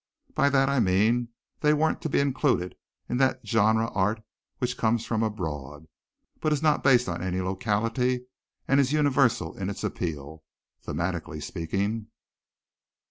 By that I mean they weren't to be included in that genre art which comes from abroad, but is not based on any locality and is universal in its appeal thematically speaking.